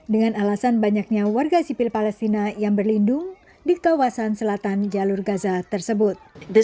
dengan alasan banyaknya warga sipil palestina yang berlindung di kawasan selatan jalur gaza tersebut